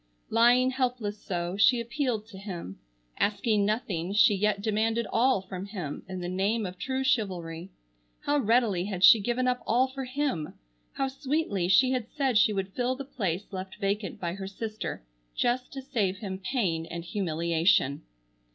Lying helpless so, she appealed to him. Asking nothing she yet demanded all from him in the name of true chivalry. How readily had she given up all for him! How sweetly she had said she would fill the place left vacant by her sister, just to save him pain and humiliation!